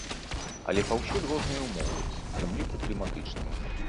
Але паўсюль розныя ўмовы ў тым ліку кліматычныя.